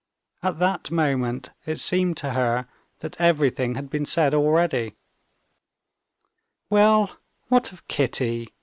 At that moment it seemed to her that everything had been said already. "Well, what of Kitty?"